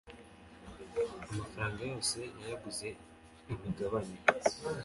amafaranga yose yayaguze imigabane